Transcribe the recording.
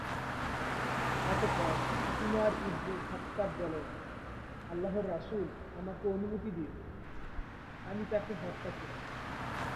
অতঃপর উমার ইবনে খাত্তাব বললেনঃ "আল্লাহর রাসূল, আমাকে অনুমতি দিন; আমি তাকে হত্যা করি।"